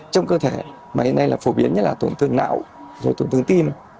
trong cơ thể mà hiện nay là phổ biến như là tổn thương não tổn thương tim